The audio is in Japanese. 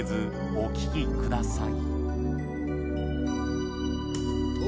お聴きください